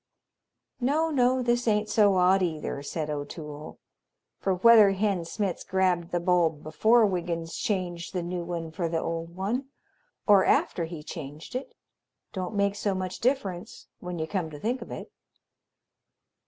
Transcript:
"No, no, this ain't so odd, either," said O'Toole, "for whether Hen Smitz grabbed the bulb before Wiggins changed the new one for the old one, or after he changed it, don't make so much difference, when you come to think of it."